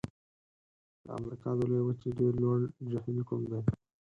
د امریکا د لویې وچې ډېر لوړ جهیل کوم دی؟